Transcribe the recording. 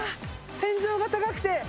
天井が高くて。